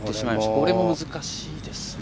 これ、難しいですね。